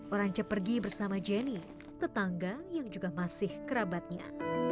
orang cepergi bersama jenny tetangga yang juga masih kerabatnya